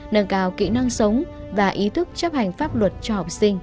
nâng cao kỹ năng sống và ý thức chấp hành